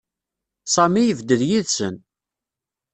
Sami yebded yid-sen.